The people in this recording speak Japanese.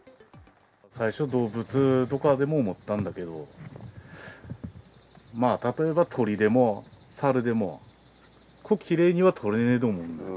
最初、動物とかかと思ったんだけど、例えば、鳥でも猿でも、こうきれいには取れないと思うんだ。